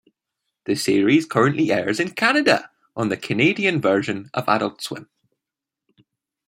The series currently airs in Canada on the Canadian version of Adult Swim.